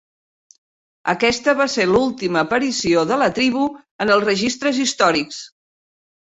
Aquesta va ser l'última aparició de la tribu en els registres històrics.